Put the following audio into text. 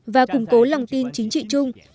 và củng cố lòng tin chính trị chung